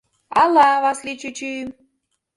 Ала Васли чӱчӱ!..